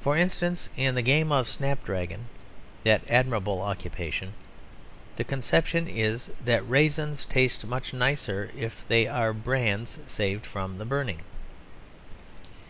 For instance, in the game of snapdragon (that admirable occupation) the conception is that raisins taste much nicer if they are brands saved from the burning.